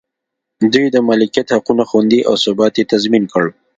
دوی د مالکیت حقونه خوندي او ثبات یې تضمین کړ.